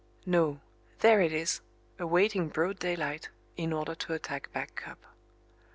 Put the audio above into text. No, there it is, awaiting broad daylight in order to attack Back Cup.